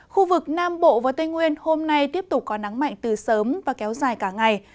khu vực nam bộ và tây nguyên hôm nay tiếp tục có nắng mạnh từ sớm và kéo dài cả ngày